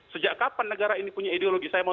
sejak kapan negara ini punya ideologi saya mau